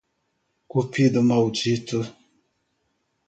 Cupido maldito